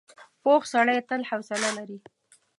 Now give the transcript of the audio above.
پوخ سړی تل حوصله لري